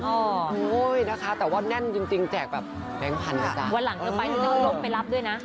โอ้โหนะคะแต่ว่าแน่นจริงจริงแจกแบบแบงค์พันธะวันหลังเธอไปนี่เธอลบไปรับด้วยนะ